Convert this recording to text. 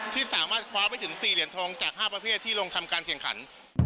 ที่สามารถคว้าไปถึง๔เหรียญทองจาก๕ประเภทที่ลงทำการแข่งขัน